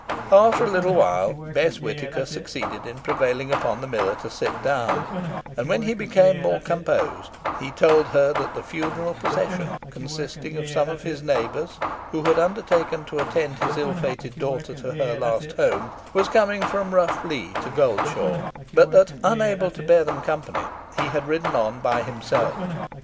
After a little while Bess Whitaker succeeded in prevailing upon the miller to sit down, and when he became more composed he told her that the funeral procession, consisting of some of his neighbours who had undertaken to attend his ill fated daughter to her last home, was coming from Rough Lee to Goldshaw, but that, unable to bear them company, he had ridden on by himself.